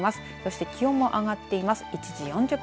そして気温が上がっています。